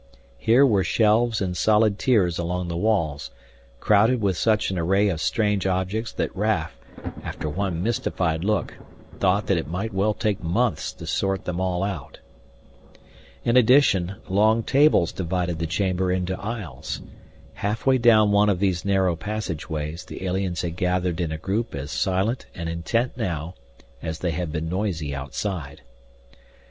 Here were shelves in solid tiers along the walls, crowded with such an array of strange objects that Raf, after one mystified look, thought that it might well take months to sort them all out. In addition, long tables divided the chamber into aisles. Halfway down one of these narrow passageways the aliens had gathered in a group as silent and intent now as they had been noisy outside.